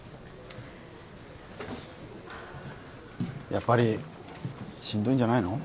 ・やっぱりしんどいんじゃないの？